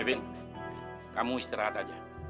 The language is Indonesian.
kevin kamu istirahat aja